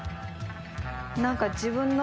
何か。